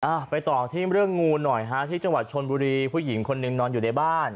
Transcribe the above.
ไปต่อที่เรื่องงูหน่อยฮะที่จังหวัดชนบุรีผู้หญิงคนหนึ่งนอนอยู่ในบ้าน